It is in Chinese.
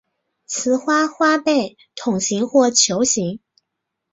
雌花花被筒形或球形。